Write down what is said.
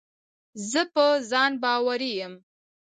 زه په ځان باوري یم.